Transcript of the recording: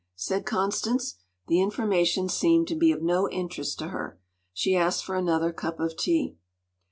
” said Constance. The information seemed to be of no interest to her. She asked for another cup of tea.